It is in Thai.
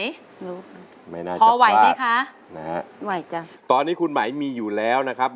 ไม่น่าจะขอไหวไหมคะไหวจ้ะตอนนี้คุณหมายมีอยู่แล้วนะครับ